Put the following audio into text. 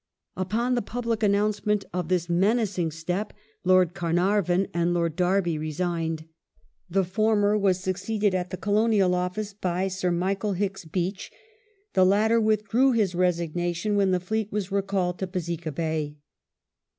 Upon the public announcement of this menacing step Lord Carnarvon and Lord Derby resigned. The former was suc ceeded at the Colonial Office by Sir Michael Hicks Beach, the latter withdrew his resignation when the Fleet was recalled to Besika Bay.